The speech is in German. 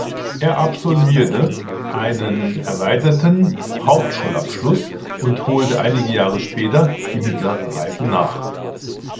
Er absolvierte einen erweiterten Hauptschulabschluss und holte einige Jahre später die mittlere Reife nach.